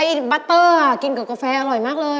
บัตเตอร์กินกับกาแฟอร่อยมากเลย